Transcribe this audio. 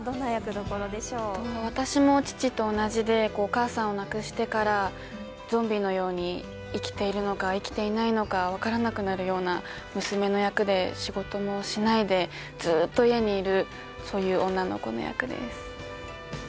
私も父と同じで、お母さんを亡くしてからゾンビのように生きているのか、生きていないのか分からなくなるような娘の役で、仕事もしないでずっと家にいる女の子の役です。